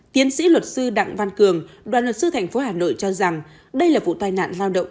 tiến sĩ luật sư đặng văn cường đoàn luật sư thành phố hà nội cho rằng đây là vụ tai nạn lao động